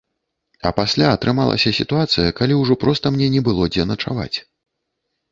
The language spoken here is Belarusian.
А пасля атрымалася сітуацыя, калі ўжо проста мне не было дзе начаваць.